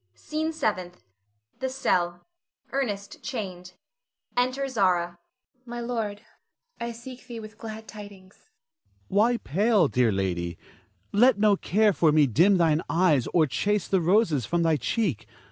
SCENE SEVENTH. [The cell. Ernest chained. Enter Zara.] Zara. My lord, I seek thee with glad tidings. Ernest. Why so pale, dear lady? Let no care for me dim thine eye, or chase the roses from thy cheek.